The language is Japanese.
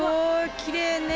きれいね。